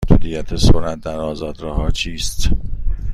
محدودیت سرعت در آزاد راه ها چیست؟